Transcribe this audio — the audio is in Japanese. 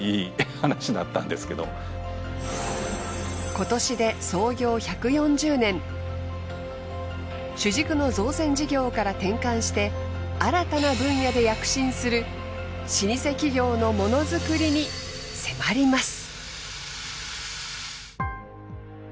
今年で主軸の造船事業から転換して新たな分野で躍進する老舗企業のものづくりに迫ります。